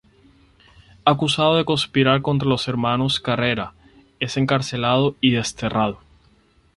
Acusado de conspirar contra los hermanos Carrera, es encarcelado y desterrado.